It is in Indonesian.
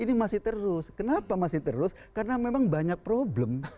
ini masih terus kenapa masih terus karena memang banyak problem